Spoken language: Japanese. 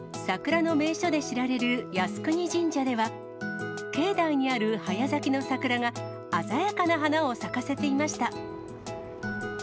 桜の名所で知られる靖国神社では、境内にある早咲きの桜が鮮やかな花を咲かせていました。